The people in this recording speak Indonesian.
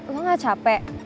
lo gak capek